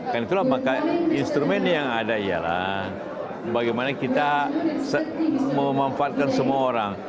dan itulah maka instrumen yang ada ialah bagaimana kita memanfaatkan semua orang